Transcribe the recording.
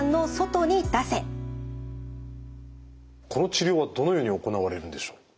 この治療はどのように行われるんでしょう？